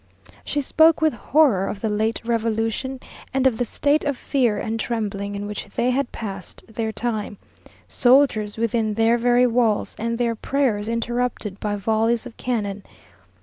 She spoke with horror of the late revolution, and of the state of fear and trembling in which they had passed their time; soldiers within their very walls, and their prayers interrupted by volleys of cannon.